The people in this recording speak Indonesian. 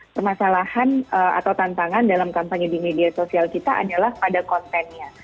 permasalahan atau tantangan dalam kampanye di media sosial kita adalah pada kontennya